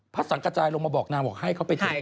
พระสังกระจายลงมาบอกนางบอกให้เขาไปเท